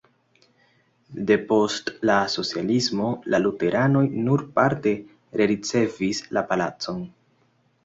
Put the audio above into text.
Depost la socialismo la luteranoj nur parte rericevis la palacon.